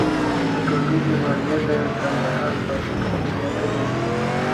په ټولګي کې فعالیت د کندهار پاڅون خبرې اترې دي.